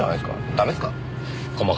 ダメっすか？